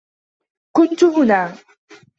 كنت هنا.